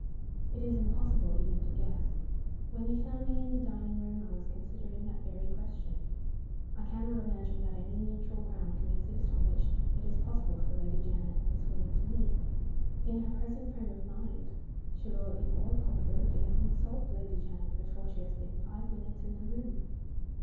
"It is impossible even to guess. When you found me in the dining room I was considering that very question. I cannot imagine that any neutral ground can exist on which it is possible for Lady Janet and this woman to meet. In her present frame of mind she will in all probability insult Lady Janet before she has been five minutes in the room.